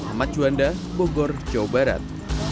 ahmad juanda bogor jawa barat